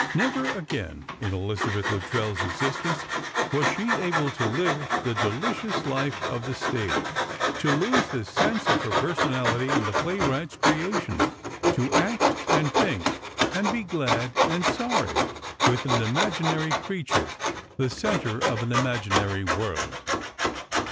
Never again in Elizabeth Luttrell's existence was she to live the delicious life of the stage, to lose the sense of her personality in the playwright's creation., to act and think and be glad and sorry with an imaginary creature, the centre of an imaginary world.